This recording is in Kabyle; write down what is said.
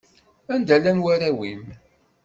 Anda llan warraw-im?